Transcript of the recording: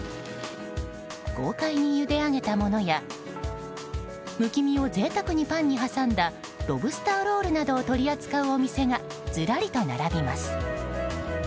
豪快にゆで上げたものやむき身を贅沢にパンに挟んだロブスターロールなどを取り扱うお店がずらりと並びます。